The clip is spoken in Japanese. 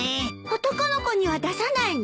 男の子には出さないの？